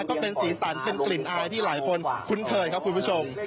ก็เป็นสีสันเป็นกลิ่นอายที่หลายคนคุ้นเคยครับคุณผู้ชม